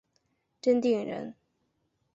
真定人。